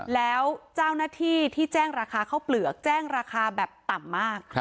แล้วเจ้าหน้าที่ที่แจ้งราคาข้าวเปลือกแจ้งราคาแบบต่ำมาก